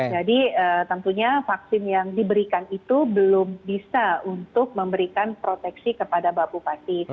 jadi tentunya vaksin yang diberikan itu belum bisa untuk memberikan proteksi kepada bapak bupati